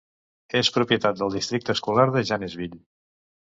És propietat del districte escolar de Janesville.